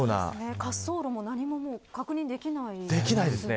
滑走路も何も確認できないですね。